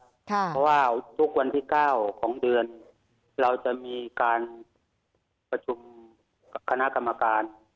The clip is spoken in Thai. เพราะว่าทุกวันที่๙ของเดือนเราจะมีการประชุมคณะกรรมการ